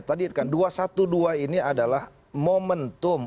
tadi kan dua ratus dua belas ini adalah momentum